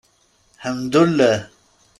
Ḥemddulah.